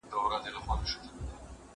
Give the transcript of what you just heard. زه به د درسونو يادونه کړې وي؟!